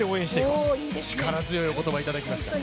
力強いお言葉いただきました。